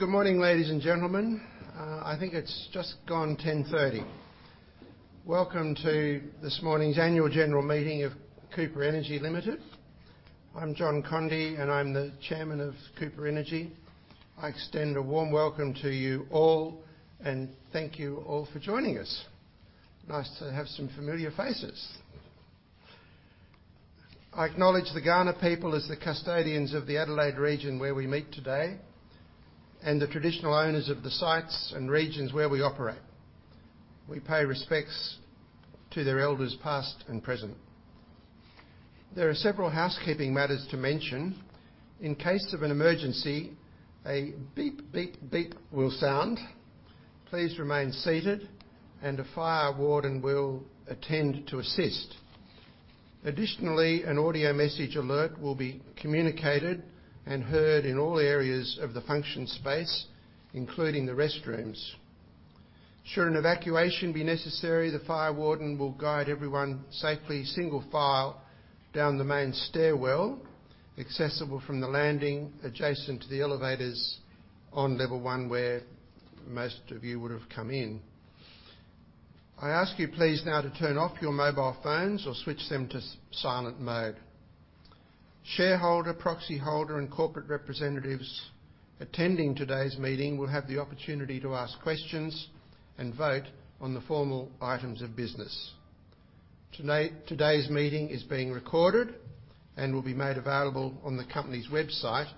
Good morning, ladies and gentlemen. I think it's just gone 10:30 A.M. `Welcome to this morning's annual general meeting of Cooper Energy Limited. I'm John Conde, and I'm the Chairman of Cooper Energy. I extend a warm welcome to you all, and thank you all for joining us. Nice to have some familiar faces. I acknowledge the Kaurna people as the custodians of the Adelaide region where we meet today, and the traditional owners of the sites and regions where we operate. We pay respects to their elders, past and present. There are several housekeeping matters to mention. In case of an emergency, a beep, beep, beep will sound. Please remain seated, and a fire warden will attend to assist. Additionally, an audio message alert will be communicated and heard in all areas of the function space, including the restrooms. Should an evacuation be necessary, the fire warden will guide everyone safely single-file down the main stairwell, accessible from the landing adjacent to the elevators on level one where most of you would have come in. I ask you please now to turn off your mobile phones or switch them to silent mode. Shareholder, proxy holder, and corporate representatives attending today's meeting will have the opportunity to ask questions and vote on the formal items of business. Today's meeting is being recorded and will be made available on the company's website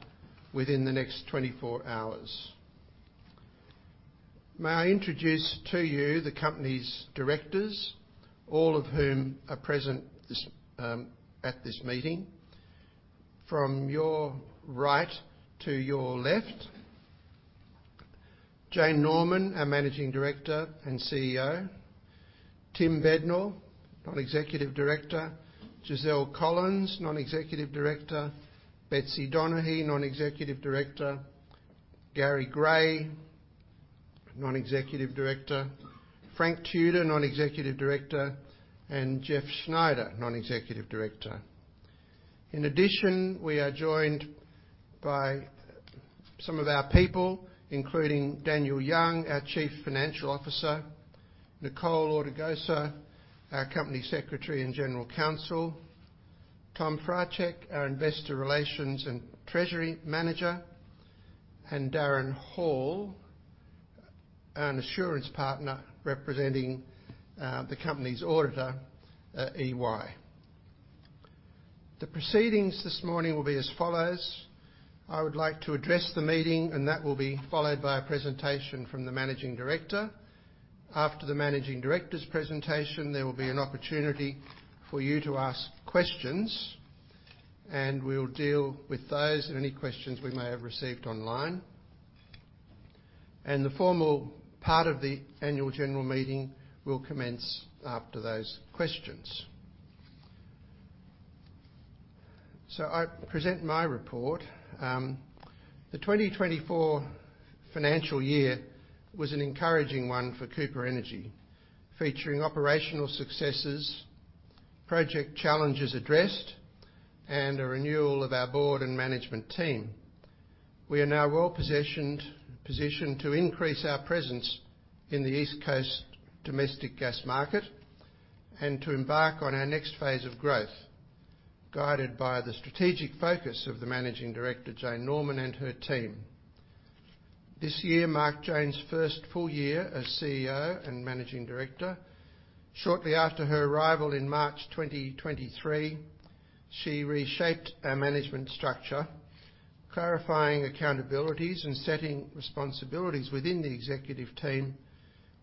within the next 24 hours. May I introduce to you the company's directors, all of whom are present at this meeting? From your right to your left, Jane Norman, our Managing Director and CEO, Tim Bednall, Non-executive Director, Giselle Collins, Non-Executive Director, Betsy Donohue, Non-Executive Director, Gary Gray, Non-Executive Director, Frank Tudor, Non-Executive Director, and Jeff Schneider, Non-Executive Director. In addition, we are joined by some of our people, including Daniel Young, our Chief Financial Officer, Nicole Ortigosa, our Company Secretary and General Counsel, Tom Fraczek, our Investor Relations and Treasury Manager, and Darren Hall, an assurance partner representing the company's auditor, EY. The proceedings this morning will be as follows. I would like to address the meeting, and that will be followed by a presentation from the Managing Director. After the Managing Director's presentation, there will be an opportunity for you to ask questions, and we'll deal with those and any questions we may have received online, and the formal part of the annual general meeting will commence after those questions, so I present my report. The 2024 financial year was an encouraging one for Cooper Energy, featuring operational successes, project challenges addressed, and a renewal of our Board and Management team. We are now well positioned to increase our presence in the East Coast domestic gas market and to embark on our next phase of growth, guided by the strategic focus of the Managing Director, Jane Norman, and her team. This year marked Jane's first full year as CEO and Managing Director. Shortly after her arrival in March 2023, she reshaped our management structure, clarifying accountabilities and setting responsibilities within the executive team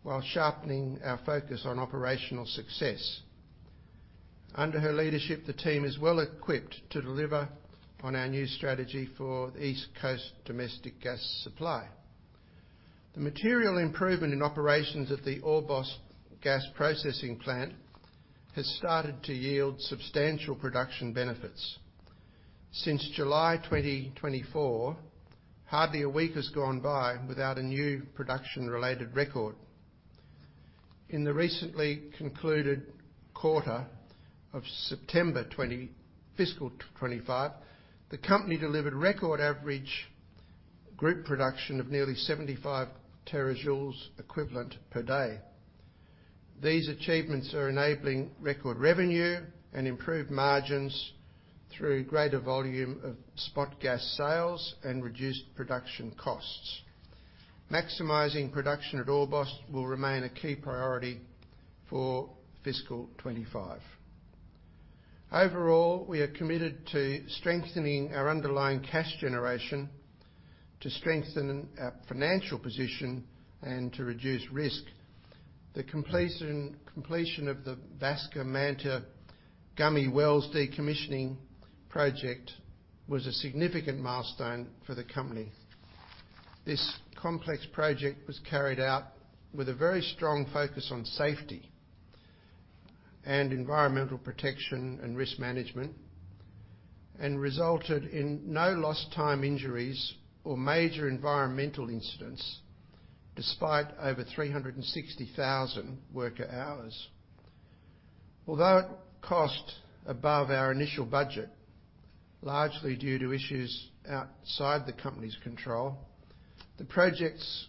while sharpening our focus on operational success. Under her leadership, the team is well equipped to deliver on our new strategy for the East Coast domestic gas supply. The material improvement in operations at the Orbost Gas Processing Plant has started to yield substantial production benefits. Since July 2024, hardly a week has gone by without a new production-related record. In the recently concluded quarter of September fiscal 2025, the company delivered record average group production of nearly 75 terajoules equivalent per day. These achievements are enabling record revenue and improved margins through greater volume of spot gas sales and reduced production costs. Maximizing production at Orbost will remain a key priority for fiscal 25. Overall, we are committed to strengthening our underlying cash generation to strengthen our financial position and to reduce risk. The completion of the Basker Manta Gummy decommissioning project was a significant milestone for the company. This complex project was carried out with a very strong focus on safety and environmental protection and risk management and resulted in no lost-time injuries or major environmental incidents despite over 360,000 worker hours. Although it cost above our initial budget, largely due to issues outside the company's control, the project's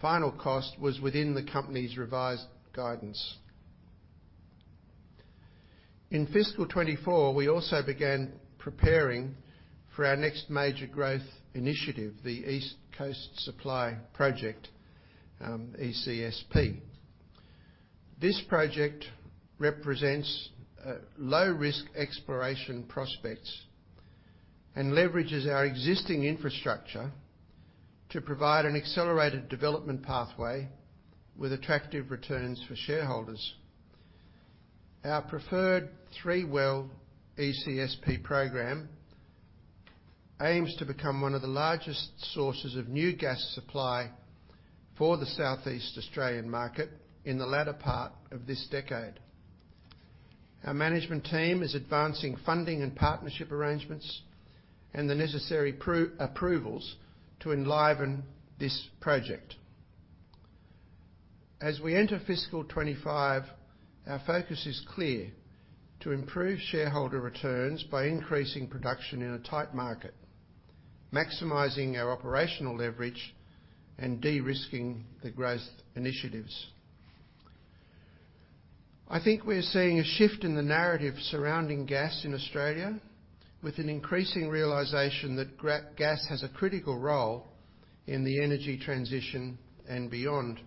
final cost was within the company's revised guidance. In fiscal 2024, we also began preparing for our next major growth initiative, the East Coast Supply Project, ECSP. This project represents low-risk exploration prospects and leverages our existing infrastructure to provide an accelerated development pathway with attractive returns for shareholders. Our preferred three-well ECSP program aims to become one of the largest sources of new gas supply for the Southeast Australian market in the latter part of this decade. Our management team is advancing funding and partnership arrangements and the necessary approvals to enliven this project. As we enter fiscal 2025, our focus is clear: to improve shareholder returns by increasing production in a tight market, maximizing our operational leverage, and de-risking the growth initiatives. I think we're seeing a shift in the narrative surrounding gas in Australia, with an increasing realization that gas has a critical role in the energy transition and beyond.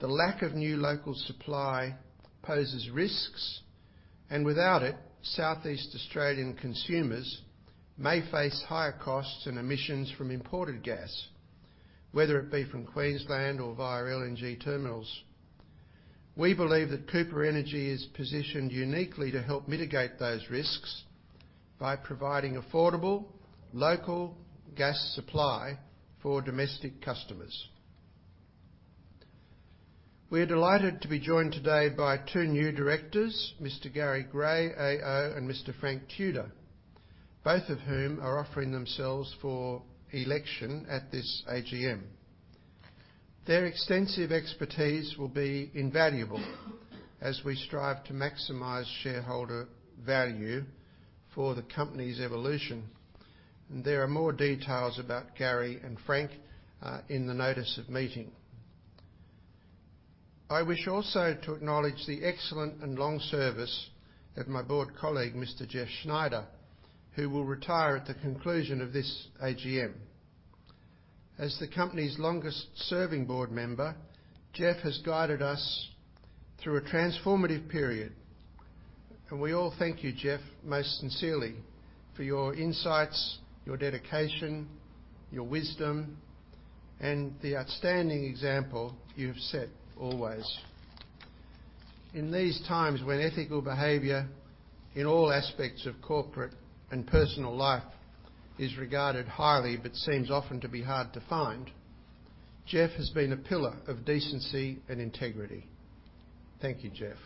The lack of new local supply poses risks, and without it, Southeast Australian consumers may face higher costs and emissions from imported gas, whether it be from Queensland or via LNG terminals. We believe that Cooper Energy is positioned uniquely to help mitigate those risks by providing affordable, local gas supply for domestic customers. We are delighted to be joined today by two new directors, Mr. Gary Gray, AO, and Mr. Frank Tudor, both of whom are offering themselves for election at this AGM. Their extensive expertise will be invaluable as we strive to maximize shareholder value for the company's evolution. There are more details about Gary and Frank in the notice of meeting. I wish also to acknowledge the excellent and long service of my board colleague, Mr. Jeff Schneider, who will retire at the conclusion of this AGM. As the company's longest-serving board member, Jeff has guided us through a transformative period, and we all thank you, Jeff, most sincerely for your insights, your dedication, your wisdom, and the outstanding example you have set always. In these times when ethical behavior in all aspects of corporate and personal life is regarded highly but seems often to be hard to find, Jeff has been a pillar of decency and integrity. Thank you, Jeff.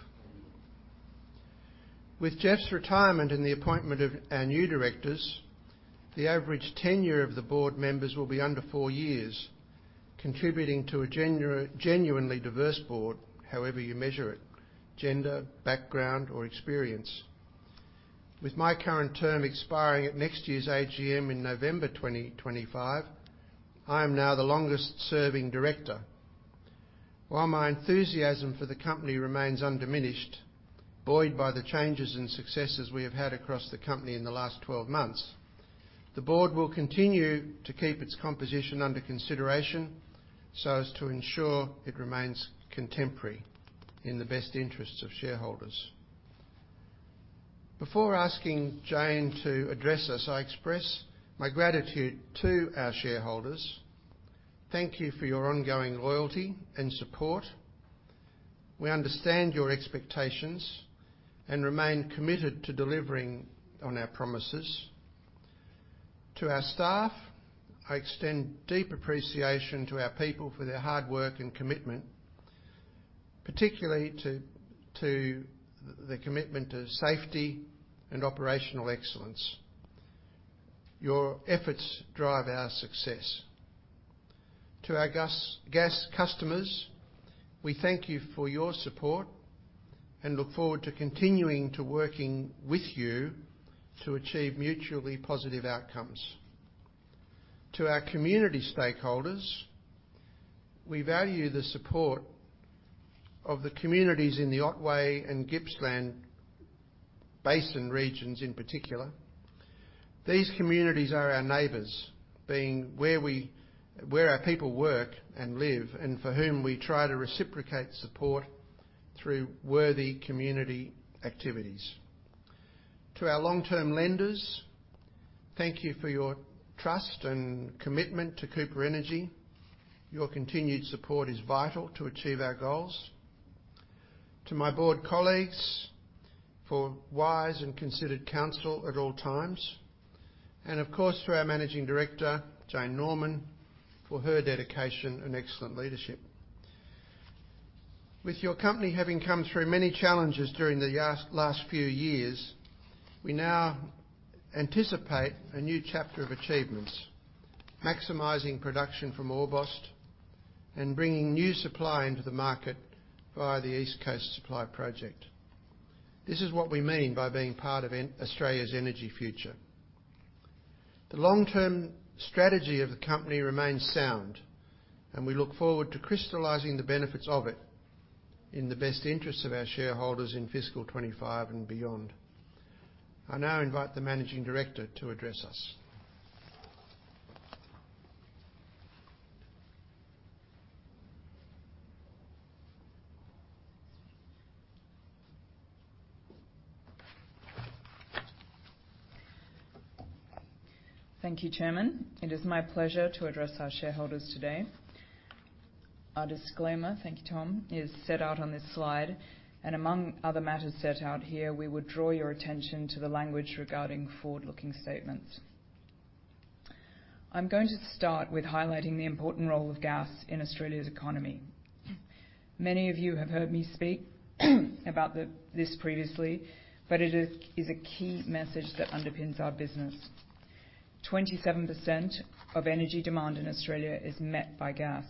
With Jeff's retirement and the appointment of our new Directors, the average tenure of the Board Members will be under four years, contributing to a genuinely diverse board, however you measure it: gender, background, or experience. With my current term expiring at next year's AGM in November 2025, I am now the longest-serving Director. While my enthusiasm for the company remains undiminished, buoyed by the changes and successes we have had across the company in the last 12 months, the board will continue to keep its composition under consideration so as to ensure it remains contemporary in the best interests of shareholders. Before asking Jane to address us, I express my gratitude to our shareholders. Thank you for your ongoing loyalty and support. We understand your expectations and remain committed to delivering on our promises. To our staff, I extend deep appreciation to our people for their hard work and commitment, particularly to the commitment to safety and operational excellence. Your efforts drive our success. To our gas customers, we thank you for your support and look forward to continuing to work with you to achieve mutually positive outcomes. To our community stakeholders, we value the support of the communities in the Otway and Gippsland Basin regions in particular. These communities are our neighbors, being where our people work and live, and for whom we try to reciprocate support through worthy community activities. To our long-term lenders, thank you for your trust and commitment to Cooper Energy. Your continued support is vital to achieve our goals. To my board colleagues for wise and considered counsel at all times, and of course, to our Managing Director, Jane Norman, for her dedication and excellent leadership. With your company having come through many challenges during the last few years, we now anticipate a new chapter of achievements: maximizing production from Orbost and bringing new supply into the market via the East Coast Supply Project. This is what we mean by being part of Australia's energy future. The long-term strategy of the company remains sound, and we look forward to crystallizing the benefits of it in the best interests of our shareholders in fiscal 2025 and beyond. I now invite the Managing Director to address us. Thank you, Chairman. It is my pleasure to address our shareholders today. Our disclaimer, thank you, Tom, is set out on this slide, and among other matters set out here, we would draw your attention to the language regarding forward-looking statements. I'm going to start with highlighting the important role of gas in Australia's economy. Many of you have heard me speak about this previously, but it is a key message that underpins our business. 27% of energy demand in Australia is met by gas.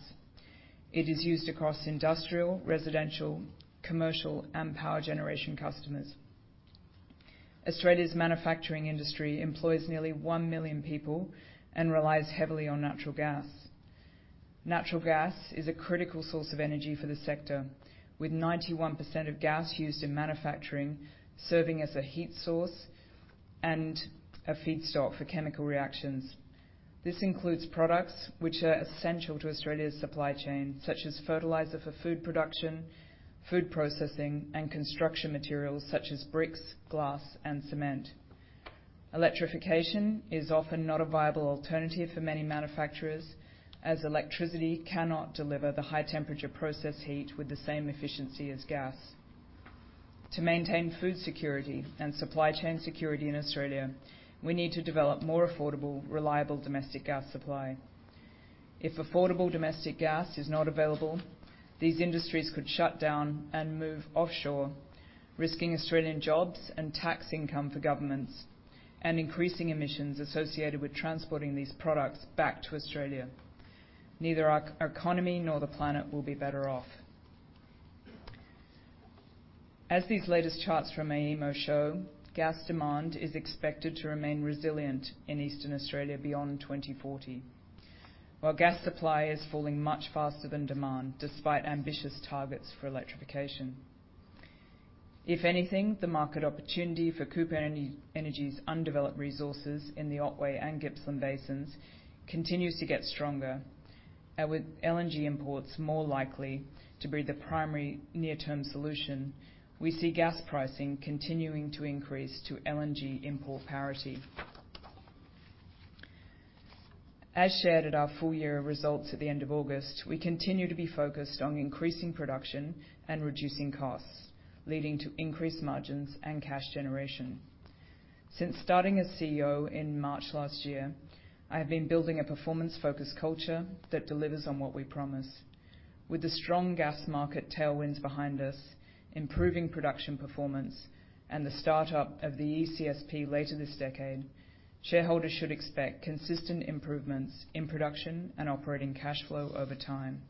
It is used across industrial, residential, commercial, and power generation customers. Australia's manufacturing industry employs nearly one million people and relies heavily on natural gas. Natural gas is a critical source of energy for the sector, with 91% of gas used in manufacturing serving as a heat source and a feedstock for chemical reactions. This includes products which are essential to Australia's supply chain, such as fertilizer for food production, food processing, and construction materials such as bricks, glass, and cement. Electrification is often not a viable alternative for many manufacturers, as electricity cannot deliver the high-temperature process heat with the same efficiency as gas. To maintain food security and supply chain security in Australia, we need to develop more affordable, reliable domestic gas supply. If affordable domestic gas is not available, these industries could shut down and move offshore, risking Australian jobs and tax income for governments and increasing emissions associated with transporting these products back to Australia. Neither our economy nor the planet will be better off. As these latest charts from AEMO show, gas demand is expected to remain resilient in Eastern Australia beyond 2040, while gas supply is falling much faster than demand, despite ambitious targets for electrification. If anything, the market opportunity for Cooper Energy's undeveloped resources in the Otway and Gippsland Basins continues to get stronger, with LNG imports more likely to be the primary near-term solution. We see gas pricing continuing to increase to LNG import parity. As shared at our full-year results at the end of August, we continue to be focused on increasing production and reducing costs, leading to increased margins and cash generation. Since starting as CEO in March last year, I have been building a performance-focused culture that delivers on what we promise. With the strong gas market tailwinds behind us, improving production performance, and the start-up of the ECSP later this decade, shareholders should expect consistent improvements in production and operating cash flow over time.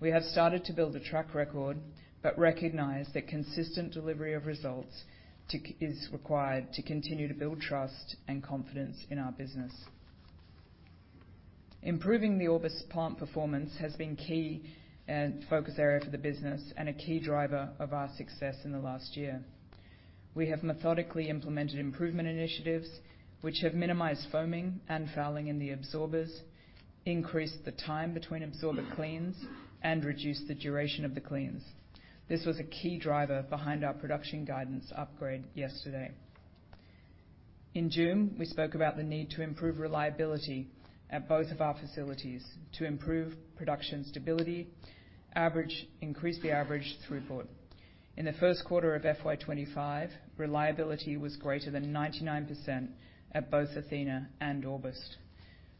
We have started to build a track record but recognize that consistent delivery of results is required to continue to build trust and confidence in our business. Improving the Orbost plant performance has been a key focus area for the business and a key driver of our success in the last year. We have methodically implemented improvement initiatives which have minimized foaming and fouling in the absorbers, increased the time between absorber cleans, and reduced the duration of the cleans. This was a key driver behind our production guidance upgrade yesterday. In June, we spoke about the need to improve reliability at both of our facilities to improve production stability, increase the average throughput. In the first quarter of FY 2025, reliability was greater than 99% at both Athena and Orbost.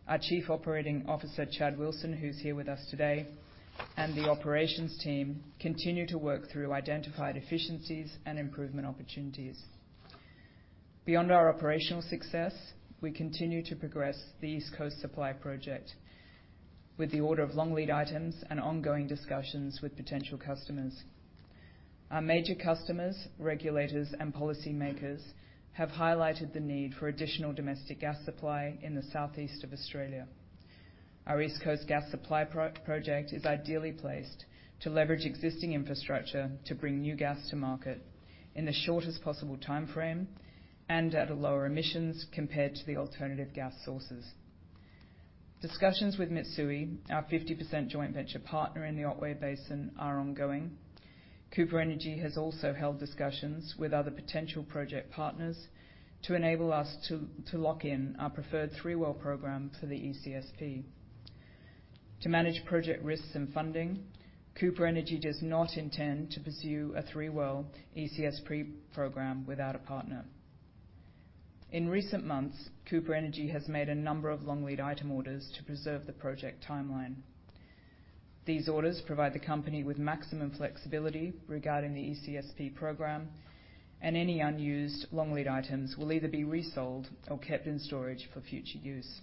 Our Chief Operating Officer, Chad Wilson, who's here with us today, and the operations team continue to work through identified efficiencies and improvement opportunities. Beyond our operational success, we continue to progress the East Coast Supply Project with the order of long lead items and ongoing discussions with potential customers. Our major customers, regulators, and policymakers have highlighted the need for additional domestic gas supply in the Southeast of Australia. Our East Coast Gas Supply Project is ideally placed to leverage existing infrastructure to bring new gas to market in the shortest possible timeframe and at lower emissions compared to the alternative gas sources. Discussions with Mitsui, our 50% joint venture partner in the Otway Basin, are ongoing. Cooper Energy has also held discussions with other potential project partners to enable us to lock in our preferred three-well program for the ECSP. To manage project risks and funding, Cooper Energy does not intend to pursue a three-well ECSP program without a partner. In recent months, Cooper Energy has made a number of long lead item orders to preserve the project timeline. These orders provide the company with maximum flexibility regarding the ECSP program, and any unused long lead items will either be resold or kept in storage for future use.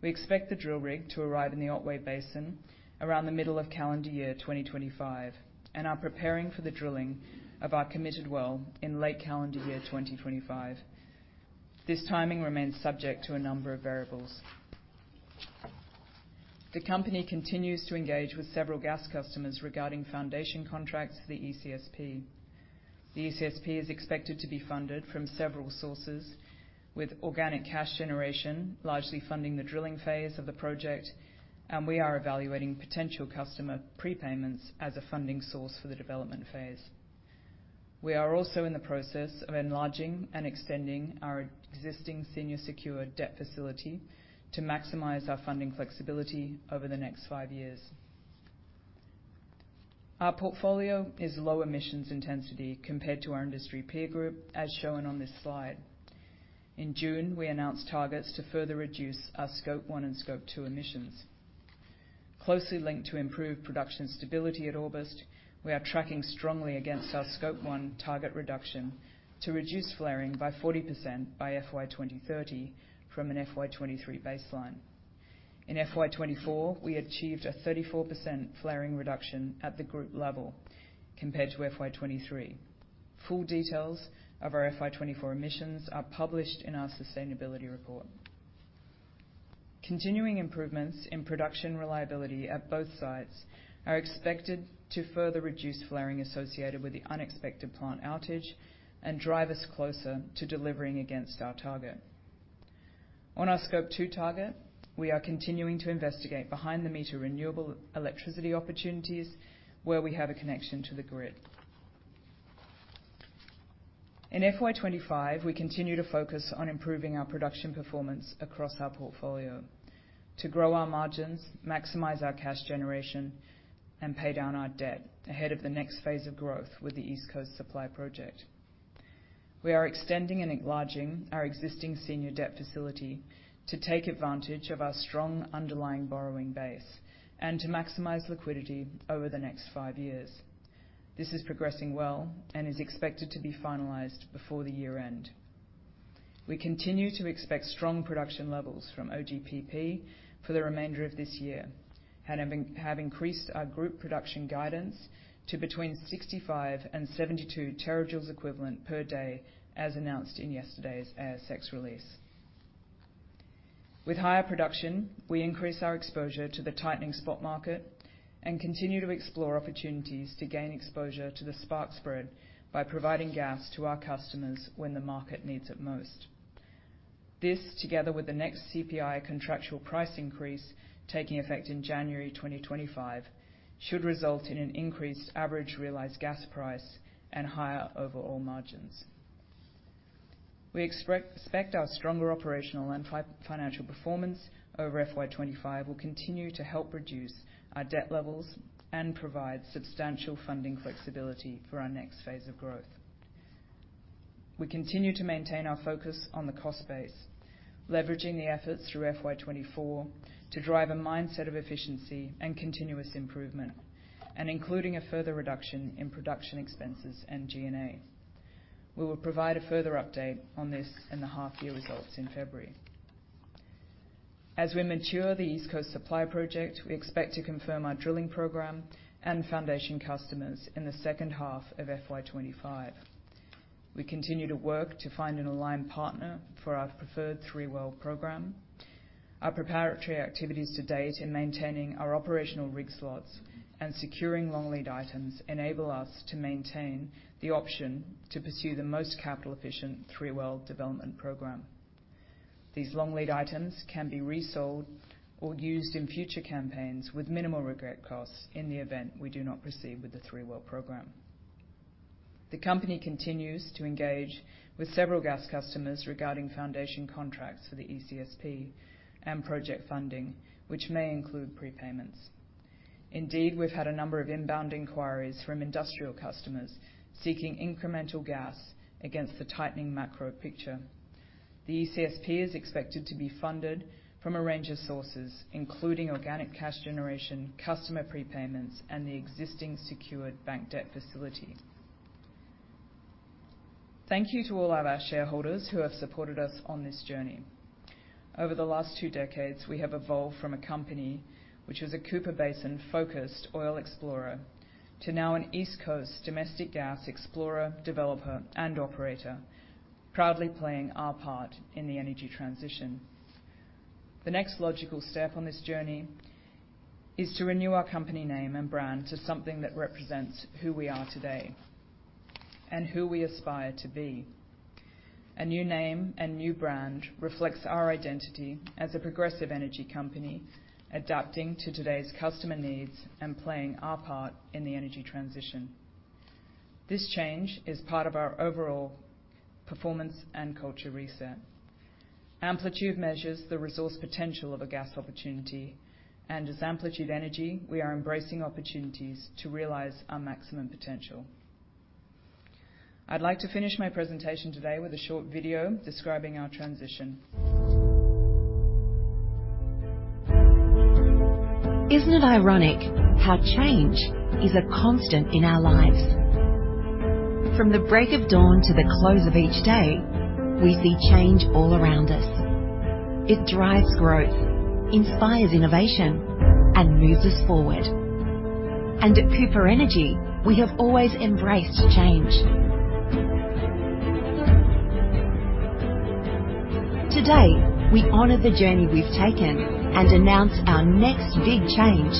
We expect the drill rig to arrive in the Otway Basin around the middle of calendar year 2025 and are preparing for the drilling of our committed well in late calendar year 2025. This timing remains subject to a number of variables. The company continues to engage with several gas customers regarding foundation contracts for the ECSP. The ECSP is expected to be funded from several sources, with organic cash generation largely funding the drilling phase of the project, and we are evaluating potential customer prepayments as a funding source for the development phase. We are also in the process of enlarging and extending our existing Senior Secured Debt Facility to maximize our funding flexibility over the next five years. Our portfolio is low emissions intensity compared to our industry peer group, as shown on this slide. In June, we announced targets to further reduce our Scope 1 and Scope 2 emissions. Closely linked to improved production stability at Orbost, we are tracking strongly against our Scope 1 target reduction to reduce flaring by FY 2024, we achieved a 34% flaring reduction at the group level compared to FY 2023. Full details FY 2024 emissions are published in our sustainability report. Continuing improvements in production reliability at both sites are expected to further reduce flaring associated with the unexpected plant outage and drive us closer to delivering against our target. On our Scope 2 target, we are continuing to investigate behind-the-meter renewable electricity opportunities where we have a connection to the grid. In FY 2025, we continue to focus on improving our production performance across our portfolio to grow our margins, maximize our cash generation, and pay down our debt ahead of the next phase of growth with the East Coast Supply Project. We are extending and enlarging our existing senior debt facility to take advantage of our strong underlying borrowing base and to maximize liquidity over the next five years. This is progressing well and is expected to be finalized before the year-end. We continue to expect strong production levels from OGPP for the remainder of this year and have increased our group production guidance to between 65 and 72 terajoules equivalent per day, as announced in yesterday's ASX release. With higher production, we increase our exposure to the tightening spot market and continue to explore opportunities to gain exposure to the spark spread by providing gas to our customers when the market needs it most. This, together with the next CPI contractual price increase taking effect in January 2025, should result in an increased average realized gas price and higher overall margins. We expect our stronger operational and financial FY 2025 will continue to help reduce our debt levels and provide substantial funding flexibility for our next phase of growth. We continue to maintain our focus on the cost base, leveraging the FY 2024 to drive a mindset of efficiency and continuous improvement, and including a further reduction in production expenses and G&A. We will provide a further update on this in the half-year results in February. As we mature the East Coast Supply Project, we expect to confirm our drilling program and foundation customers in the second FY 2025. we continue to work to find an aligned partner for our preferred three-well program. Our preparatory activities to date in maintaining our operational rig slots and securing long lead items enable us to maintain the option to pursue the most capital-efficient three-well development program. These long lead items can be resold or used in future campaigns with minimal regret costs in the event we do not proceed with the three-well program. The company continues to engage with several gas customers regarding foundation contracts for the ECSP and project funding, which may include prepayments. Indeed, we've had a number of inbound inquiries from industrial customers seeking incremental gas against the tightening macro picture. The ECSP is expected to be funded from a range of sources, including organic cash generation, customer prepayments, and the existing secured bank debt facility. Thank you to all of our shareholders who have supported us on this journey. Over the last two decades, we have evolved from a company which was a Cooper Basin-focused oil explorer to now an East Coast domestic gas explorer, developer, and operator, proudly playing our part in the energy transition. The next logical step on this journey is to renew our company name and brand to something that represents who we are today and who we aspire to be. A new name and new brand reflects our identity as a progressive energy company adapting to today's customer needs and playing our part in the energy transition. This change is part of our overall performance and culture reset. Amplitude measures the resource potential of a gas opportunity, and as Amplitude Energy, we are embracing opportunities to realize our maximum potential. I'd like to finish my presentation today with a short video describing our transition. Isn't it ironic how change is a constant in our lives? From the break of dawn to the close of each day, we see change all around us. It drives growth, inspires innovation, and moves us forward, and at Cooper Energy, we have always embraced change. Today, we honor the journey we've taken and announce our next big change.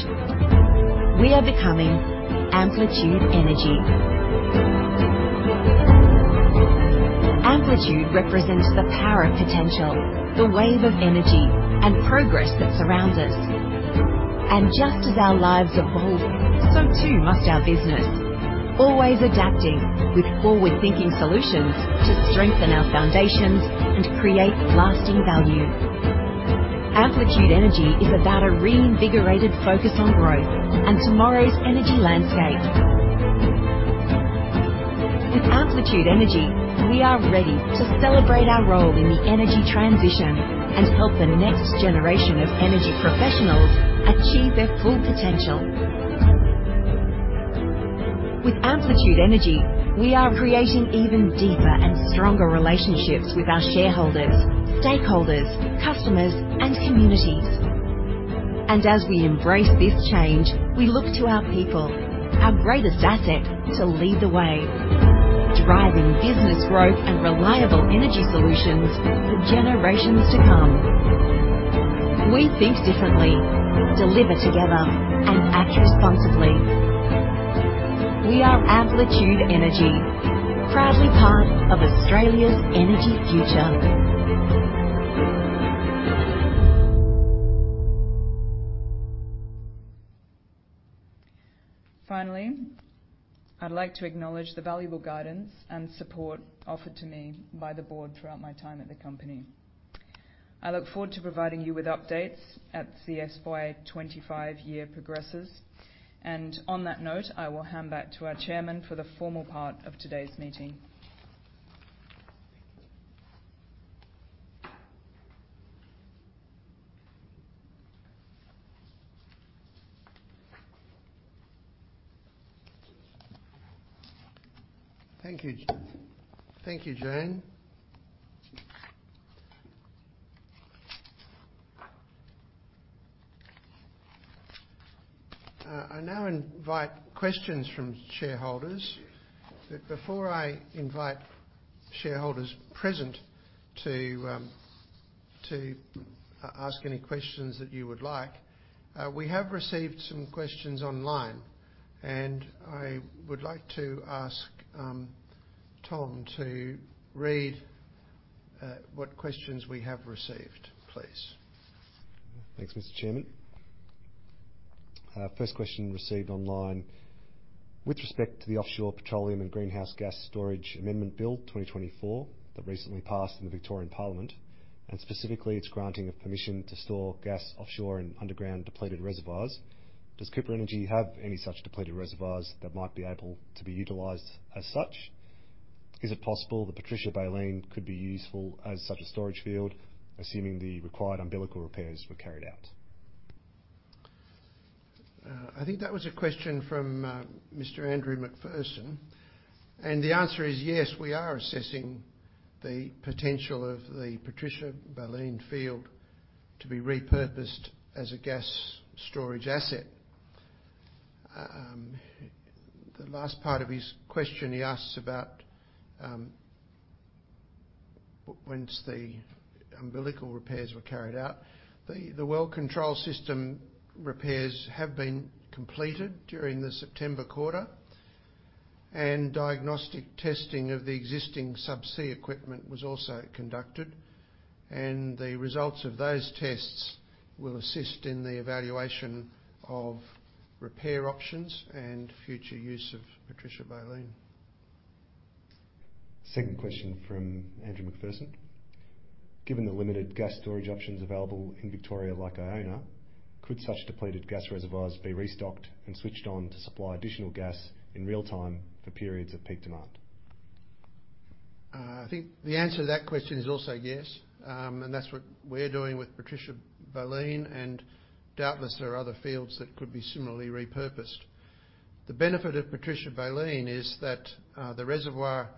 We are becoming Amplitude Energy. Amplitude represents the power of potential, the wave of energy, and progress that surrounds us. And just as our lives evolve, so too must our business, always adapting with forward-thinking solutions to strengthen our foundations and create lasting value. Amplitude Energy is about a reinvigorated focus on growth and tomorrow's energy landscape. With Amplitude Energy, we are ready to celebrate our role in the energy transition and help the next generation of energy professionals achieve their full potential. With Amplitude Energy, we are creating even deeper and stronger relationships with our shareholders, stakeholders, customers, and communities. And as we embrace this change, we look to our people, our greatest asset, to lead the way, driving business growth and reliable energy solutions for generations to come. We think differently, deliver together, and act responsibly. We are Amplitude Energy, proudly part of Australia's energy future. Finally, I'd like to acknowledge the valuable guidance and support offered to me by the board throughout my time at the company. I look forward to providing you with updates as the FY 2025 year progresses. And on that note, I will hand back to our Chairman for the formal part of today's meeting. Thank you, Jane. I now invite questions from shareholders. But before I invite shareholders present to ask any questions that you would like, we have received some questions online, and I would like to ask Tom to read what questions we have received, please. Thanks, Mr. Chairman. First question received online with respect to the offshore petroleum and greenhouse gas storage amendment bill 2024 that recently passed in the Victorian Parliament, and specifically its granting of permission to store gas offshore in underground depleted reservoirs. Does Cooper Energy have any such depleted reservoirs that might be able to be utilized as such? Is it possible that Patricia-Baleen could be useful as such a storage field, assuming the required umbilical repairs were carried out? I think that was a question from Mr. Andrew McPherson, and the answer is yes, we are assessing the potential of the Patricia-Baleen field to be repurposed as a gas storage asset. The last part of his question, he asks about once the umbilical repairs were carried out. The well control system repairs have been completed during the September quarter, and diagnostic testing of the existing subsea equipment was also conducted, and the results of those tests will assist in the evaluation of repair options and future use of Patricia-Baleen. Second question from Andrew McPherson. Given the limited gas storage options available in Victoria like Iona, could such depleted gas reservoirs be restocked and switched on to supply additional gas in real time for periods of peak demand? I think the answer to that question is also yes. And that's what we're doing with Patricia-Baleen. And doubtless there are other fields that could be similarly repurposed. The benefit of Patricia-Baleen is that the reservoir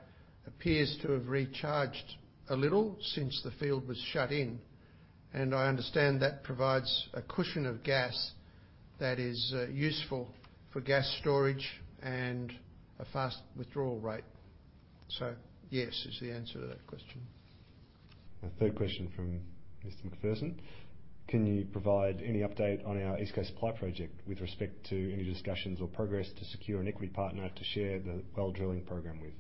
appears to have recharged a little since the field was shut in. And I understand that provides a cushion of gas that is useful for gas storage and a fast withdrawal rate. So yes is the answer to that question. Third question from Mr. McPherson. Can you provide any update on our East Coast Supply Project with respect to any discussions or progress to secure an equity partner to share the well drilling program with?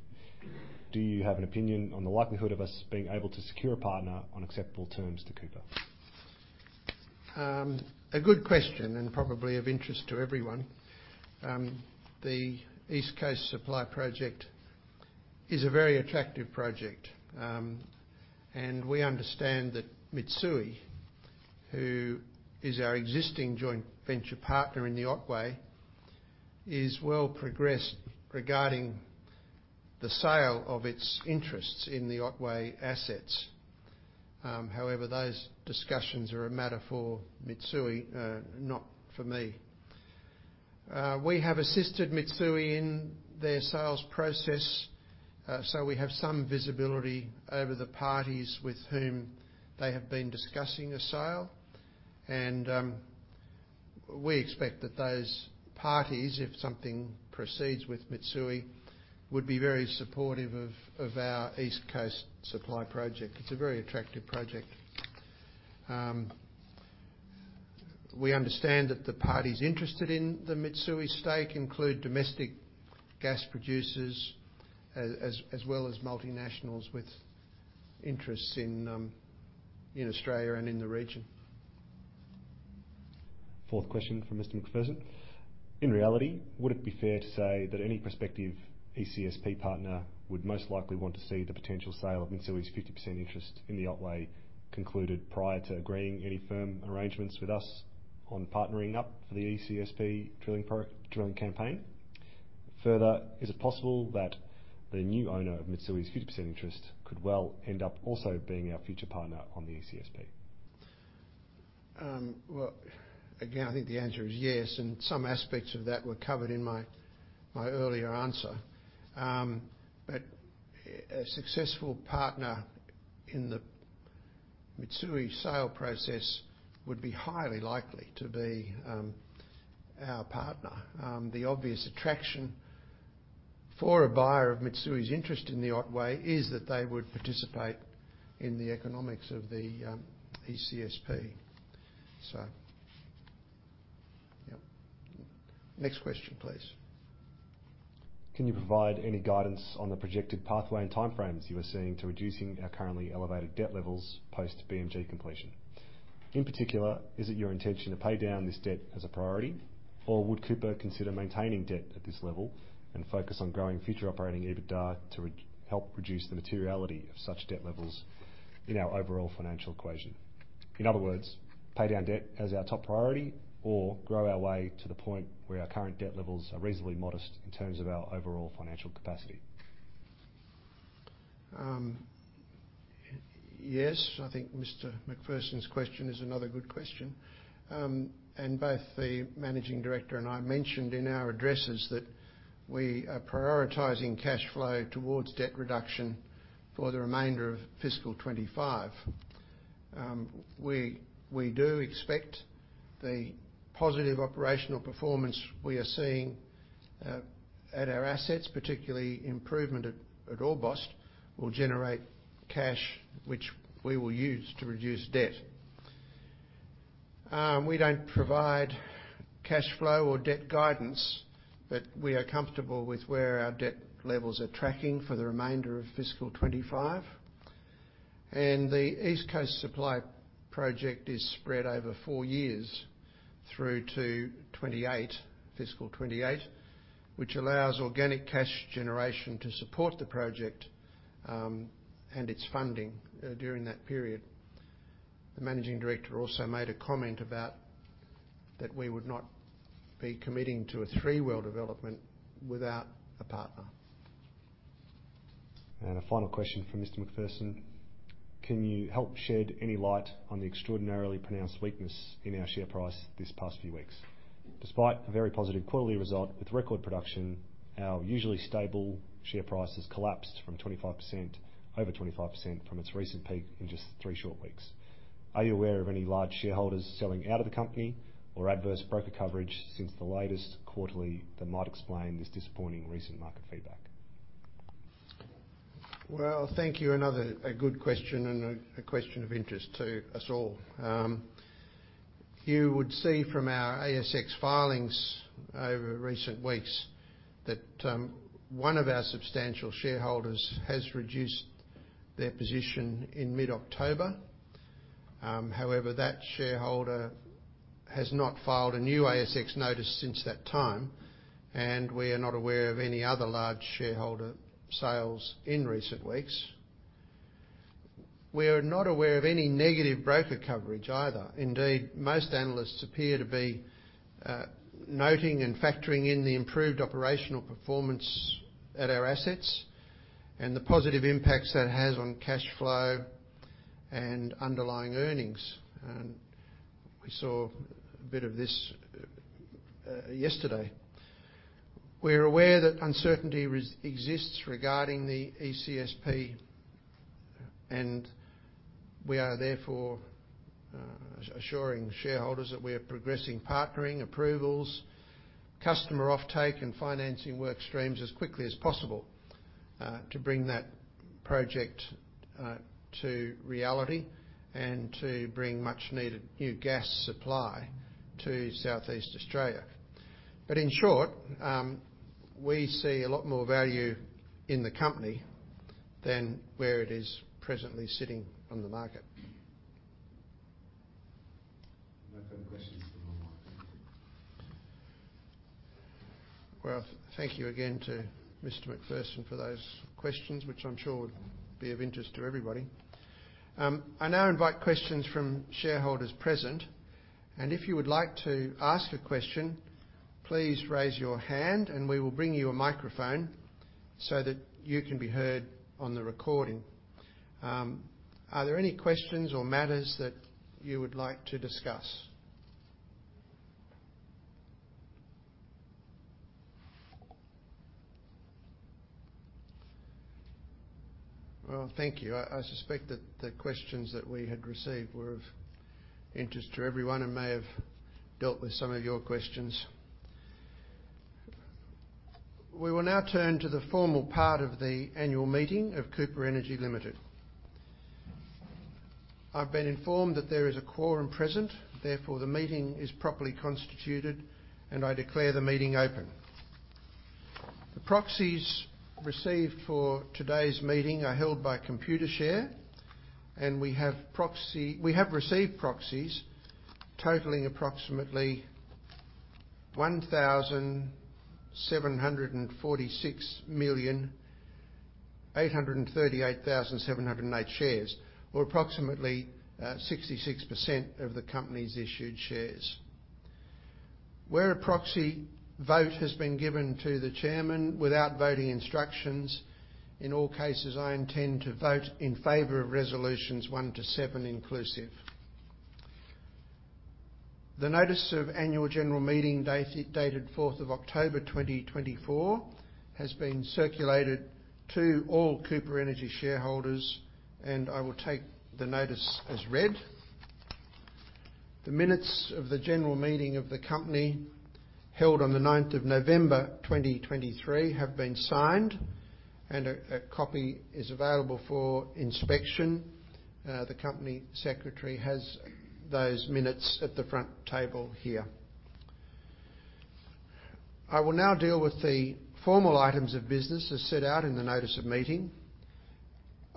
Do you have an opinion on the likelihood of us being able to secure a partner on acceptable terms to Cooper? A good question and probably of interest to everyone. The East Coast Supply Project is a very attractive project. We understand that Mitsui, who is our existing joint venture partner in the Otway, is well progressed regarding the sale of its interests in the Otway assets. However, those discussions are a matter for Mitsui, not for me. We have assisted Mitsui in their sales process, so we have some visibility over the parties with whom they have been discussing the sale. We expect that those parties, if something proceeds with Mitsui, would be very supportive of our East Coast Supply Project. It's a very attractive project. We understand that the parties interested in the Mitsui stake include domestic gas producers as well as multinationals with interests in Australia and in the region. Fourth question from Mr. McPherson. In reality, would it be fair to say that any prospective ECSP partner would most likely want to see the potential sale of Mitsui's 50% interest in the Otway concluded prior to agreeing any firm arrangements with us on partnering up for the ECSP drilling campaign? Further, is it possible that the new owner of Mitsui's 50% interest could well end up also being our future partner on the ECSP? Well, again, I think the answer is yes, and some aspects of that were covered in my earlier answer, but a successful partner in the Mitsui sale process would be highly likely to be our partner. The obvious attraction for a buyer of Mitsui's interest in the Otway is that they would participate in the economics of the ECSP. So, yep. Next question, please. Can you provide any guidance on the projected pathway and timeframes you are seeing to reducing our currently elevated debt levels post BMG completion? In particular, is it your intention to pay down this debt as a priority, or would Cooper consider maintaining debt at this level and focus on growing future operating EBITDA to help reduce the materiality of such debt levels in our overall financial equation? In other words, pay down debt as our top priority or grow our way to the point where our current debt levels are reasonably modest in terms of our overall financial capacity? Yes. I think Mr. McPherson's question is another good question. Both the Managing Director and I mentioned in our addresses that we are prioritizing cash flow towards debt reduction for the remainder of fiscal 2025. We do expect the positive operational performance we are seeing at our assets, particularly improvement at Orbost, will generate cash, which we will use to reduce debt. We don't provide cash flow or debt guidance, but we are comfortable with where our debt levels are tracking for the remainder of fiscal 2025. The East Coast Supply Project is spread over four years through to fiscal 2028, which allows organic cash generation to support the project and its funding during that period. The Managing Director also made a comment about that we would not be committing to a three-well development without a partner. A final question from Mr. McPherson. Can you help shed any light on the extraordinarily pronounced weakness in our share price this past few weeks? Despite a very positive quarterly result with record production, our usually stable share price has collapsed from 25% over 25% from its recent peak in just three short weeks. Are you aware of any large shareholders selling out of the company or adverse broker coverage since the latest quarterly that might explain this disappointing recent market feedback? Well, thank you. Another good question and a question of interest to us all. You would see from our ASX filings over recent weeks that one of our substantial shareholders has reduced their position in mid-October. However, that shareholder has not filed a new ASX notice since that time, and we are not aware of any other large shareholder sales in recent weeks. We are not aware of any negative broker coverage either. Indeed, most analysts appear to be noting and factoring in the improved operational performance at our assets and the positive impacts that it has on cash flow and underlying earnings. And we saw a bit of this yesterday. We are aware that uncertainty exists regarding the ECSP, and we are therefore assuring shareholders that we are progressing partnering approvals, customer offtake, and financing work streams as quickly as possible to bring that project to reality and to bring much-needed new gas supply to Southeast Australia. But in short, we see a lot more value in the company than where it is presently sitting on the market. No further questions from my side. Well, thank you again to Mr. McPherson for those questions, which I'm sure would be of interest to everybody. I now invite questions from shareholders present. And if you would like to ask a question, please raise your hand, and we will bring you a microphone so that you can be heard on the recording. Are there any questions or matters that you would like to discuss? Well, thank you. I suspect that the questions that we had received were of interest to everyone and may have dealt with some of your questions. We will now turn to the formal part of the annual meeting of Cooper Energy Limited. I've been informed that there is a quorum present. Therefore, the meeting is properly constituted, and I declare the meeting open. The proxies received for today's meeting are held by Computershare, and we have received proxies totaling approximately 1,746,838,708 shares, or approximately 66% of the company's issued shares. Where a proxy vote has been given to the chairman without voting instructions, in all cases, I intend to vote in favor of resolutions one to seven inclusive. The notice of annual general meeting dated 4th of October, 2024, has been circulated to all Cooper Energy shareholders, and I will take the notice as read. The minutes of the general meeting of the company held on the 9th of November, 2023, have been signed, and a copy is available for inspection. The company secretary has those minutes at the front table here. I will now deal with the formal items of business as set out in the notice of meeting.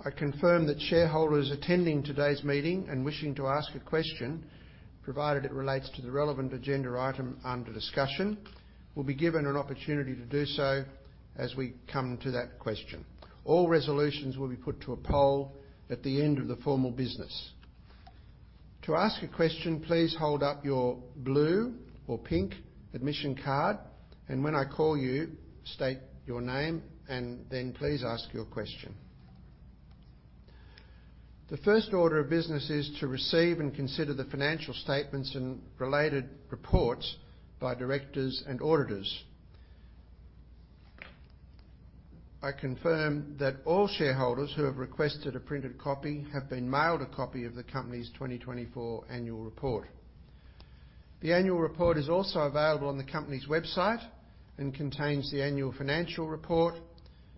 I confirm that shareholders attending today's meeting and wishing to ask a question, provided it relates to the relevant agenda item under discussion, will be given an opportunity to do so as we come to that question. All resolutions will be put to a poll at the end of the formal business. To ask a question, please hold up your blue or pink admission card, and when I call you, state your name, and then please ask your question. The first order of business is to receive and consider the financial statements and related reports by directors and auditors. I confirm that all shareholders who have requested a printed copy have been mailed a copy of the company's 2024 annual report. The annual report is also available on the company's website and contains the annual financial report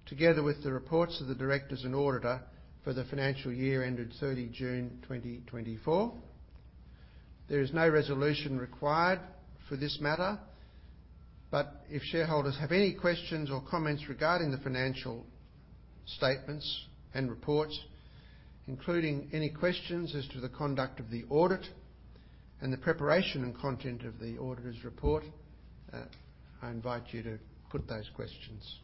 together with the reports of the directors and auditor for the financial year ended June 30 2024. There is no resolution required for this matter, but if shareholders have any questions or comments regarding the financial statements and reports, including any questions as to the conduct of the audit and the preparation and content of the auditor's report, I invite you to put those questions.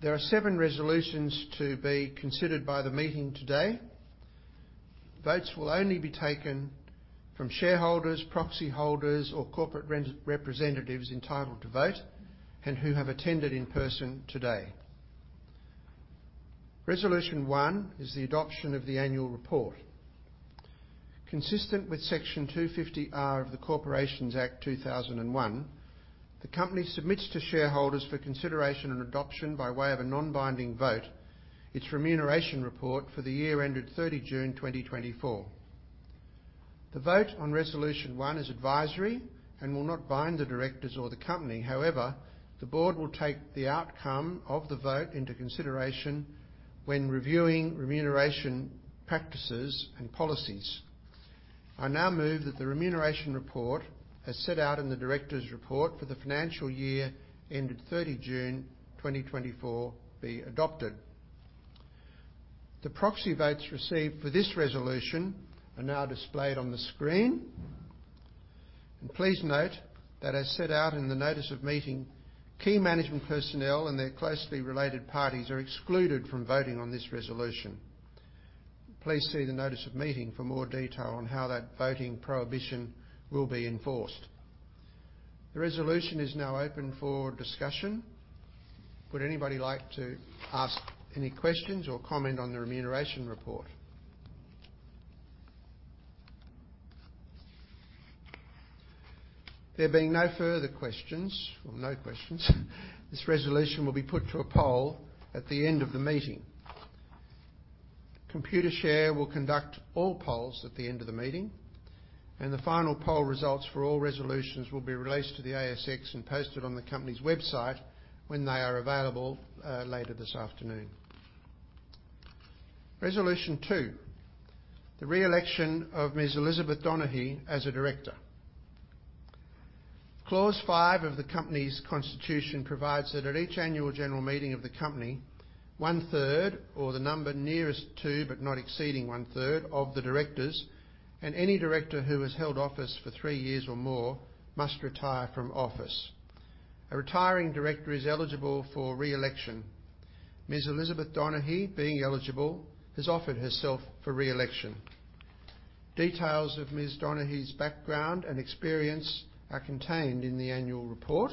There are seven resolutions to be considered by the meeting today. Votes will only be taken from shareholders, proxy holders, or corporate representatives entitled to vote and who have attended in person today. Resolution one is the adoption of the annual report. Consistent with Section 250R of the Corporations Act 2001, the company submits to shareholders for consideration and adoption by way of a non-binding vote its remuneration report for the year ended June 30 2024. The vote on Resolution one is advisory and will not bind the directors or the company. However, the board will take the outcome of the vote into consideration when reviewing remuneration practices and policies. I now move that the remuneration report as set out in the director's report for the financial year ended June 30 2024 be adopted. The proxy votes received for this resolution are now displayed on the screen, and please note that as set out in the notice of meeting, key management personnel and their closely related parties are excluded from voting on this resolution. Please see the notice of meeting for more detail on how that voting prohibition will be enforced. The resolution is now open for discussion. Would anybody like to ask any questions or comment on the remuneration report? There being no further questions or no questions, this resolution will be put to a poll at the end of the meeting. Computershare will conduct all polls at the end of the meeting, and the final poll results for all resolutions will be released to the ASX and posted on the company's website when they are available later this afternoon. Resolution two, the re-election of Ms. Elizabeth Donohue as a Director. Clause five of the company's constitution provides that at each annual general meeting of the company, 1/3 or the number nearest to but not exceeding 1/3 of the directors and any director who has held office for three years or more must retire from office. A Retiring Director is eligible for re-election. Ms. Elizabeth Donohue, being eligible, has offered herself for re-election. Details of Ms. Donohue's background and experience are contained in the annual report,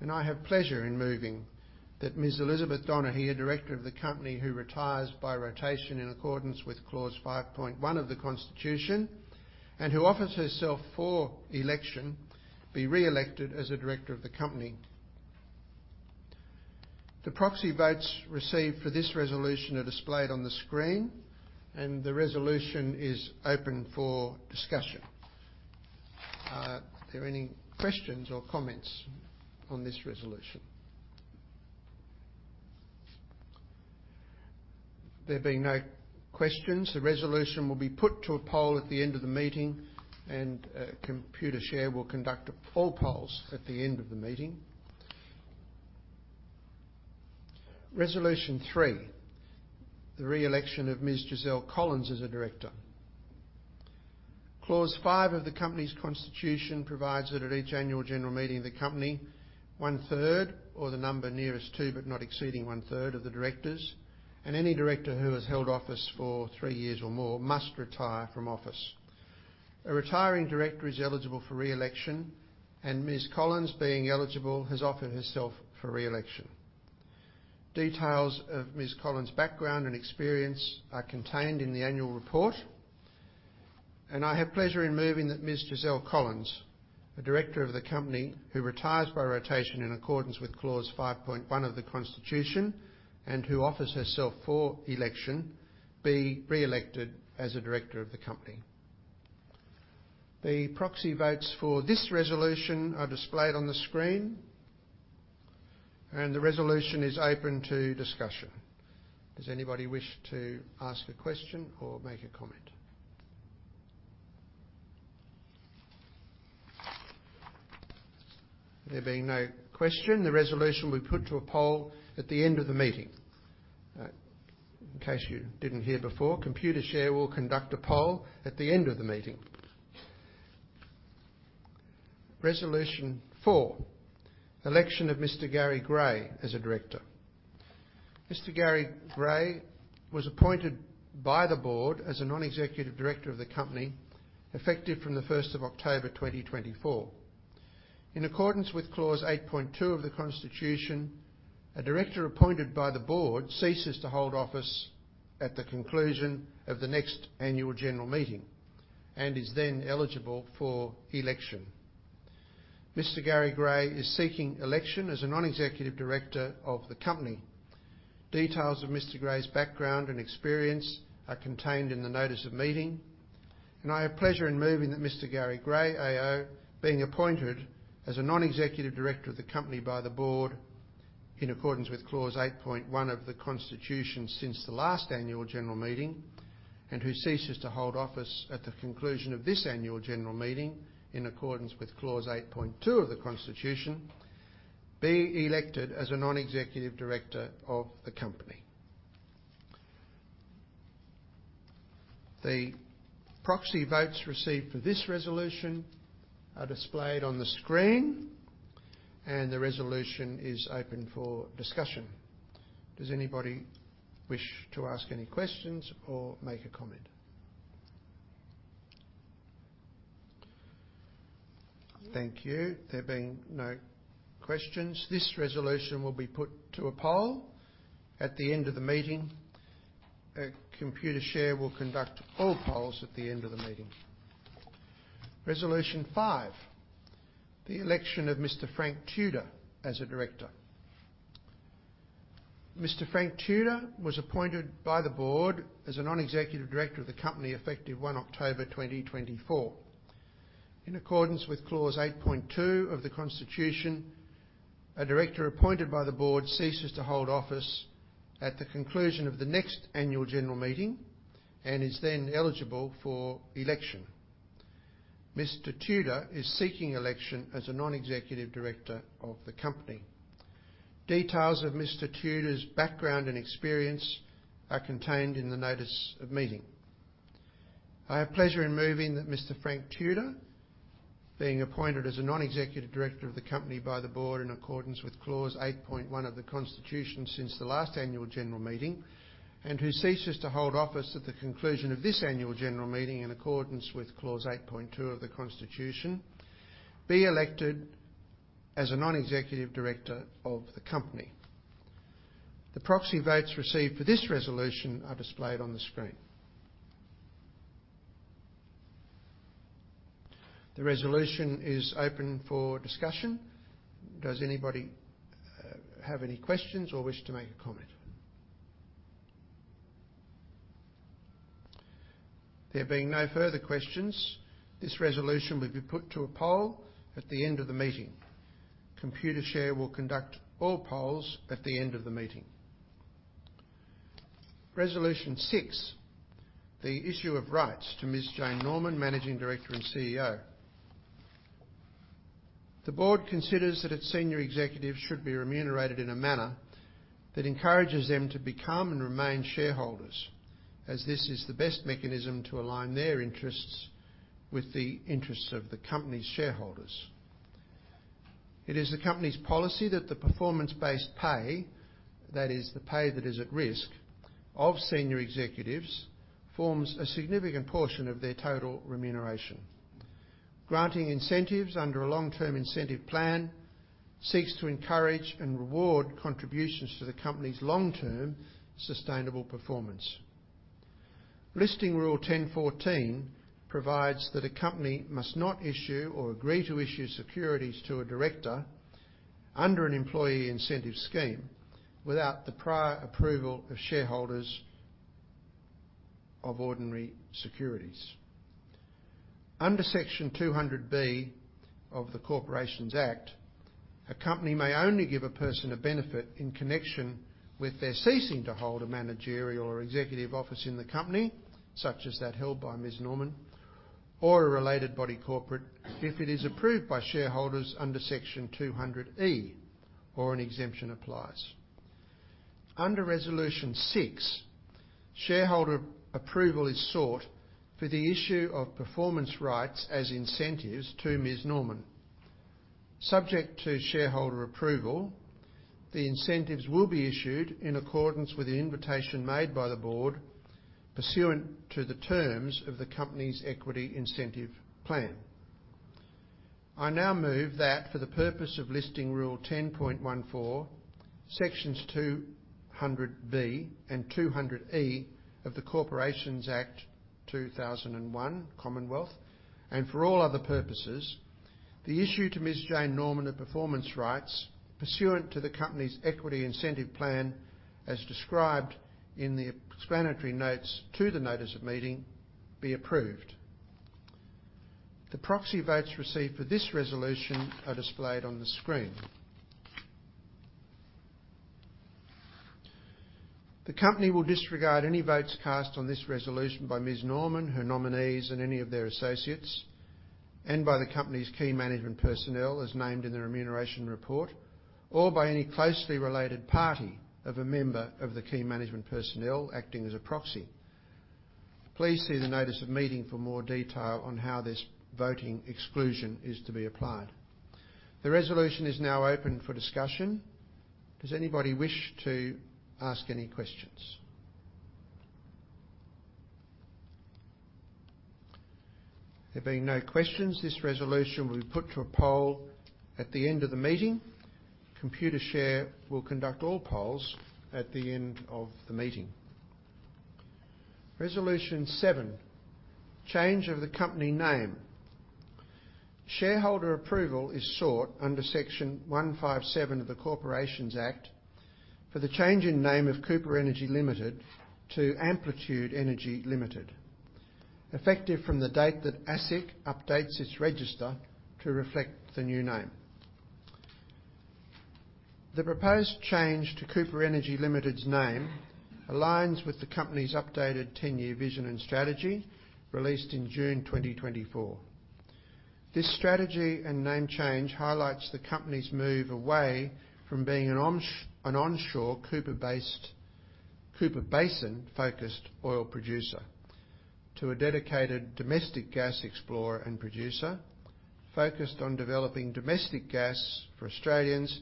and I have pleasure in moving that Ms. Elizabeth Donohue, a director of the company who retires by rotation in accordance with clause 5.1 of the constitution and who offers herself for election, be re-elected as a director of the company. The proxy votes received for this resolution are displayed on the screen, and the resolution is open for discussion. Are there any questions or comments on this resolution? There being no questions, the resolution will be put to a poll at the end of the meeting, and Computershare will conduct all polls at the end of the meeting. Resolution three, the re-election of Ms. Giselle Collins as a Director. Clause five of the company's constitution provides that at each annual general meeting, the company, 1/3 or the number nearest to but not exceeding 1/3 of the directors and any director who has held office for three years or more must retire from office. A Retiring Director is eligible for re-election, and Ms. Collins, being eligible, has offered herself for re-election. Details of Ms. Collins' background and experience are contained in the annual report, and I have pleasure in moving that Ms. Giselle Collins, a director of the company who retires by rotation in accordance with clause 5.1 of the constitution and who offers herself for election, be re-elected as a director of the company. The proxy votes for this resolution are displayed on the screen, and the resolution is open to discussion. Does anybody wish to ask a question or make a comment? There being no question, the resolution will be put to a poll at the end of the meeting. In case you didn't hear before, Computershare will conduct a poll at the end of the meeting. Resolution four, election of Mr. Gary Gray as a Director. Mr. Gary Gray was appointed by the board as a Non-Executive Director of the company effective from the 1st of October, 2024. In accordance with clause 8.2 of the constitution, a director appointed by the board ceases to hold office at the conclusion of the next annual general meeting and is then eligible for election. Mr. Gary Gray is seeking election as a Non-Executive Director of the company. Details of Mr. Gray's background and experience are contained in the notice of meeting, and I have pleasure in moving that Mr. Gary Gray, AO, being appointed as a Non-Executive Director of the company by the board in accordance with clause 8.1 of the constitution since the last annual general meeting and who ceases to hold office at the conclusion of this annual general meeting in accordance with clause 8.2 of the constitution, be elected as a Non-Executive Director of the company. The proxy votes received for this resolution are displayed on the screen, and the resolution is open for discussion. Does anybody wish to ask any questions or make a comment? Thank you. There being no questions, this resolution will be put to a poll at the end of the meeting. Computershare will conduct all polls at the end of the meeting. Resolution five, the election of Mr. Frank Tudor as a director. Mr. Frank Tudor was appointed by the board as a non-executive director of the company effective October 1 2024. In accordance with clause 8.2 of the constitution, a director appointed by the board ceases to hold office at the conclusion of the next annual general meeting and is then eligible for election. Mr. Tudor is seeking election as a Non-Executive Director of the company. Details of Mr. Tudor's background and experience are contained in the notice of meeting. I have pleasure in moving that Mr. Frank Tudor, being appointed as a non-executive director of the company by the Board in accordance with clause 8.1 of the constitution since the last annual general meeting and who ceases to hold office at the conclusion of this annual general meeting in accordance with clause 8.2 of the constitution, be elected as a non-executive director of the company. The proxy votes received for this resolution are displayed on the screen. The resolution is open for discussion. Does anybody have any questions or wish to make a comment? There being no further questions, this resolution will be put to a poll at the end of the meeting. Computershare will conduct all polls at the end of the meeting. Resolution six, the issue of rights to Ms. Jane Norman, Managing Director and CEO. The board considers that its Senior Executives should be remunerated in a manner that encourages them to become and remain shareholders, as this is the best mechanism to align their interests with the interests of the company's shareholders. It is the company's policy that the performance-based pay, that is, the pay that is at risk, of senior executives forms a significant portion of their total remuneration. Granting incentives under a long-term incentive plan seeks to encourage and reward contributions to the company's long-term sustainable performance. Listing Rule 10.14 provides that a company must not issue or agree to issue securities to a Director under an employee incentive scheme without the prior approval of shareholders of ordinary securities. Under Section 200B of the Corporations Act, a company may only give a person a benefit in connection with their ceasing to hold a managerial or executive office in the company, such as that held by Ms. Norman, or a related body corporate if it is approved by shareholders under Section 200E or an exemption applies. Under Resolution six, shareholder approval is sought for the issue of performance rights as incentives to Ms. Norman. Subject to shareholder approval, the incentives will be issued in accordance with the invitation made by the board pursuant to the terms of the company's equity incentive plan. I now move that for the purpose of Listing Rule 10.14, Sections 200(b) and 200(e) of the Corporations Act 2001 Commonwealth, and for all other purposes, the issue to Ms. Jane Norman of performance rights pursuant to the company's equity incentive plan as described in the explanatory notes to the notice of meeting be approved. The proxy votes received for this resolution are displayed on the screen. The company will disregard any votes cast on this resolution by Ms. Norman, her nominees, and any of their associates, and by the company's key management personnel as named in the remuneration report, or by any closely related party of a member of the key management personnel acting as a proxy. Please see the notice of meeting for more detail on how this voting exclusion is to be applied. The resolution is now open for discussion. Does anybody wish to ask any questions? There being no questions, this resolution will be put to a poll at the end of the meeting. Computershare will conduct all polls at the end of the meeting. Resolution seven, change of the company name. Shareholder approval is sought under Section 157 of the Corporations Act for the change in name of Cooper Energy Limited to Amplitude Energy Limited, effective from the date that ASIC updates its register to reflect the new name. The proposed change to Cooper Energy Limited's name aligns with the company's updated 10-year vision and strategy released in June 2024. This strategy and name change highlights the company's move away from being an onshore Cooper-based Cooper Basin-focused oil producer to a dedicated domestic gas explorer and producer focused on developing domestic gas for Australians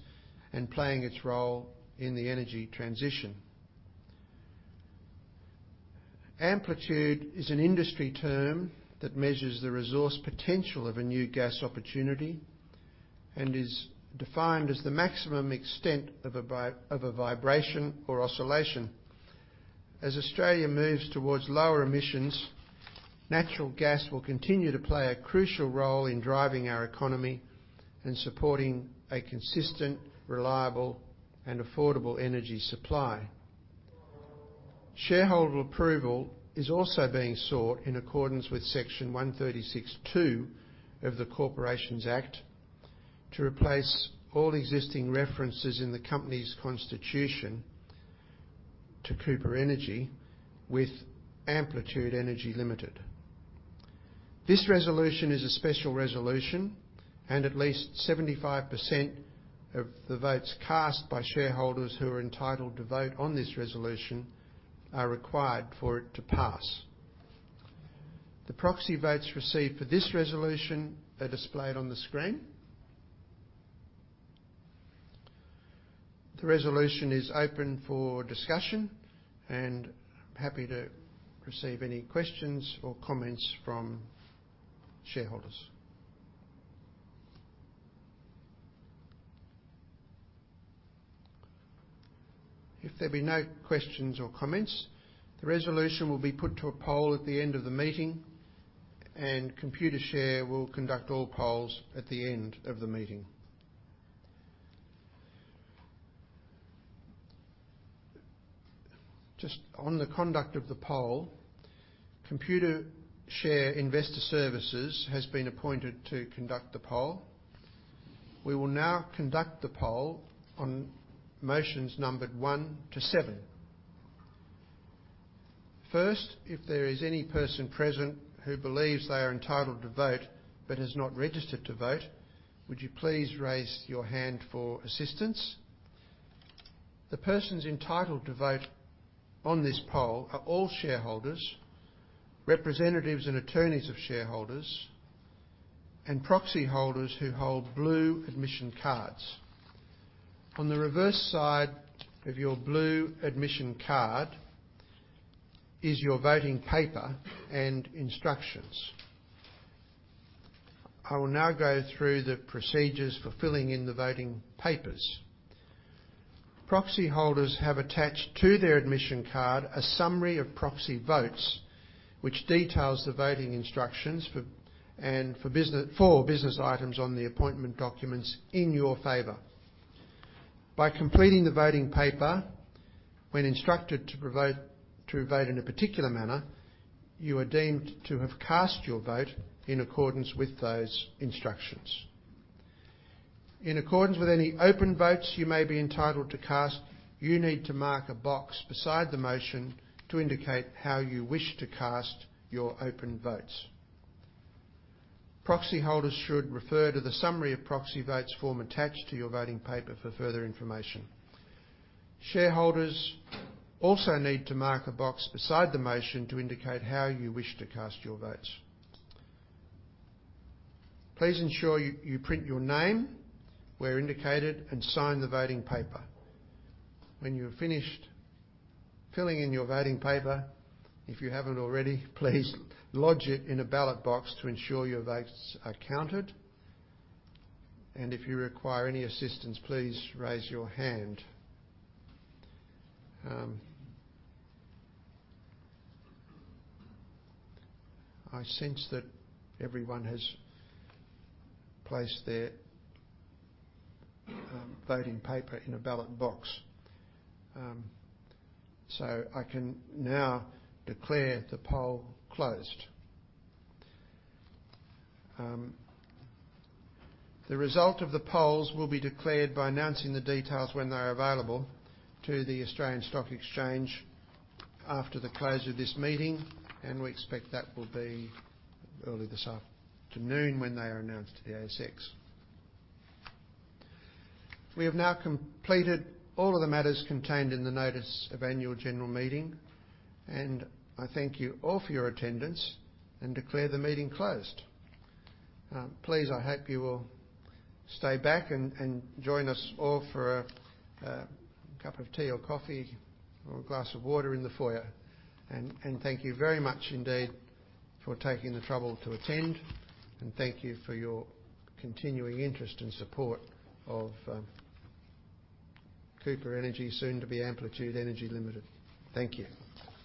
and playing its role in the energy transition. Amplitude is an industry term that measures the resource potential of a new gas opportunity and is defined as the maximum extent of a vibration or oscillation. As Australia moves towards lower emissions, natural gas will continue to play a crucial role in driving our economy and supporting a consistent, reliable, and affordable energy supply. Shareholder approval is also being sought in accordance with Section 136(2) of the Corporations Act to replace all existing references in the company's constitution to Cooper Energy with Amplitude Energy Limited. This resolution is a special resolution, and at least 75% of the votes cast by shareholders who are entitled to vote on this resolution are required for it to pass. The proxy votes received for this resolution are displayed on the screen. The resolution is open for discussion, and I'm happy to receive any questions or comments from shareholders. If there be no questions or comments, the resolution will be put to a poll at the end of the meeting, and Computershare will conduct all polls at the end of the meeting. Just on the conduct of the poll, Computershare Investor Services has been appointed to conduct the poll. We will now conduct the poll on motions numbered one to seven. First, if there is any person present who believes they are entitled to vote but has not registered to vote, would you please raise your hand for assistance? The persons entitled to vote on this poll are all shareholders, representatives and attorneys of shareholders, and proxy holders who hold blue admission cards. On the reverse side of your blue admission card is your voting paper and instructions. I will now go through the procedures for filling in the voting papers. Proxy holders have attached to their admission card a summary of proxy votes, which details the voting instructions and for business items on the appointment documents in your favor. By completing the voting paper when instructed to vote in a particular manner, you are deemed to have cast your vote in accordance with those instructions. In accordance with any open votes you may be entitled to cast, you need to mark a box beside the motion to indicate how you wish to cast your open votes. Proxy holders should refer to the summary of proxy votes form attached to your voting paper for further information. Shareholders also need to mark a box beside the motion to indicate how you wish to cast your votes. Please ensure you print your name where indicated and sign the voting paper. When you're finished filling in your voting paper, if you haven't already, please lodge it in a ballot box to ensure your votes are counted, and if you require any assistance, please raise your hand. I sense that everyone has placed their voting paper in a ballot box, so I can now declare the poll closed. The result of the polls will be declared by announcing the details when they're available to the Australian Securities Exchange after the close of this meeting, and we expect that will be early this afternoon when they are announced to the ASX. We have now completed all of the matters contained in the notice of annual general meeting, and I thank you all for your attendance and declare the meeting closed. Please, I hope you will stay back and join us all for a cup of tea or coffee or a glass of water in the foyer, and thank you very much indeed for taking the trouble to attend, and thank you for your continuing interest and support of Cooper Energy soon to be Amplitude Energy Limited. Thank you.